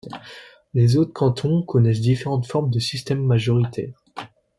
Les autres cantons connaissent différentes formes de système majoritaire.